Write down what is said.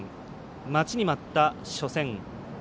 待ちに待った初戦。